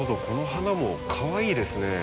この花もかわいいですね。